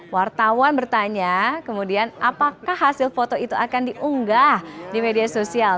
wartawan bertanya kemudian apakah hasil foto itu akan diunggah di media sosial